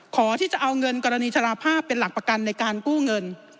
ที่จะเอาเงินกรณีชราภาพเป็นหลักประกันในการกู้เงิน